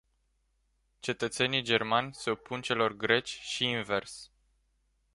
Cetățenii germani se opun celor greci și invers.